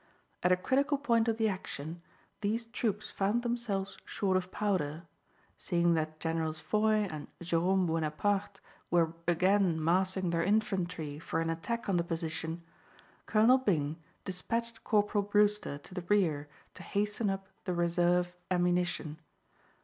At a critical point of the action these troops found themselves short of powder. Seeing that Generals Foy and Jerome Buonaparte were again massing their infantry for an attack on the position, Colonel Byng dispatched Corporal Brewster to the rear to hasten up the reserve ammunition.